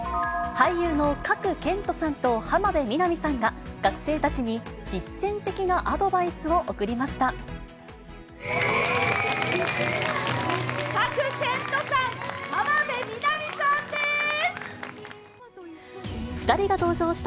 俳優の賀来賢人さんと浜辺美波さんが、学生たちに実践的なアドバイスを送りました。